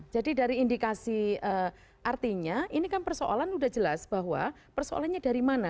jadi dari indikasi artinya ini kan persoalan sudah jelas bahwa persoalannya dari mana